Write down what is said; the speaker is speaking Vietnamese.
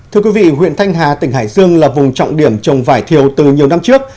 thưa quý vị huyện thanh hà tỉnh hải dương là vùng trọng điểm trồng vải thiều từ nhiều năm trước